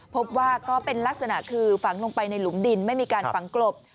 พบว่าก็เป็นลักษณะคือฝังลงไปในหลุมดินไม่มีการฝังกลบ